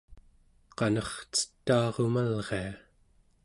qanercetaarumalria